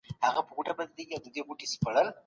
د انسان خوی د جغرافيې له امله بدليږي.